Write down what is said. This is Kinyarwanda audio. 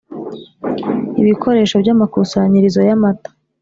Ibikoresho by’ amakusanyirizo y’ amata